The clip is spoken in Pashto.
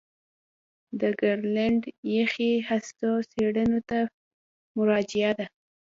د ګرینلنډ یخي هستو څېړنو ته مراجعه ده